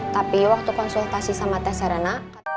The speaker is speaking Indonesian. tapi waktu konsultasi sama teserena